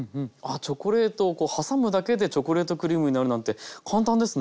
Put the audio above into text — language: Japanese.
チョコレートを挟むだけでチョコレートクリームになるなんて簡単ですね。